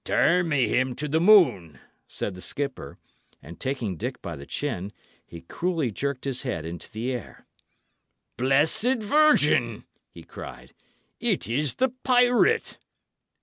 "Turn me him to the moon," said the skipper; and taking Dick by the chin, he cruelly jerked his head into the air. "Blessed Virgin!" he cried, "it is the pirate!"